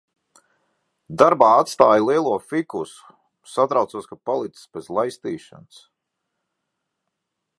Darbā atstāju lielo fikusu. Satraucos, ka palicis bez laistīšanas.